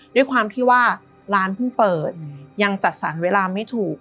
ด้วยความที่ว่าร้านเพิ่งเปิดยังจัดสรรเวลาไม่ถูก